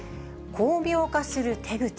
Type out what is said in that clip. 巧妙化する手口。